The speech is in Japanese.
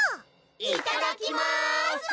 いただきます！